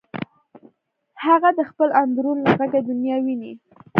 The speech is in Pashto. هغه د خپل اندرون له غږه دنیا ویني